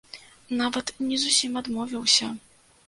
Нават не зусім адмовіўся.